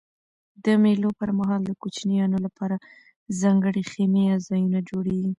د مېلو پر مهال د کوچنيانو له پاره ځانګړي خیمې یا ځایونه جوړېږي.